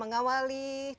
jangan bah scoring